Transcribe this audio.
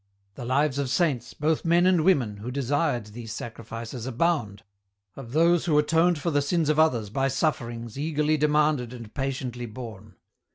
The lives of saints, both men and women, who desired these sacrifices abound, of those who atoned for the sins of others by suffer ings eagerly demanded and patiently borne.